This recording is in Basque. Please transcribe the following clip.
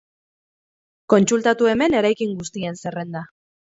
Kontsultatu hemen eraikin guztien zerrenda.